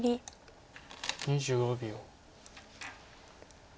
２５秒。